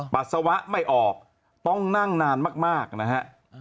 ปัสสาวะไม่ออกต้องนั่งนานมากนะฮะ